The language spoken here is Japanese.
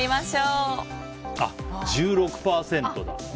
１６％だ。